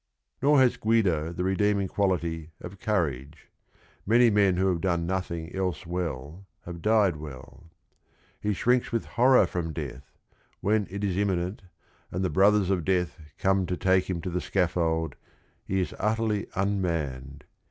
Nor has Guido the redeeming quality of courage. Many men who have done nothing else well have died well. He shrinks with horro x froaajdeath ; when it is imminent and the Brothers of Death come to take him to the scaffold, he is utterly unmanned.